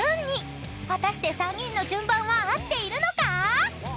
［果たして３人の順番は合っているのか？］